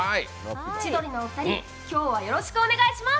千鳥のお二人、今日はよろしくお願いいたします。